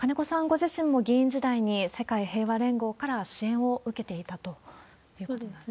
ご自身も、議員時代に世界平和連合から支援を受けていたということなんです